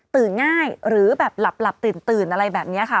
ง่ายหรือแบบหลับตื่นอะไรแบบนี้ค่ะ